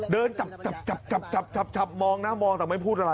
เดินจับจับจับจับจับจับจับมองนะมองแต่ไม่พูดอะไรนะฮะ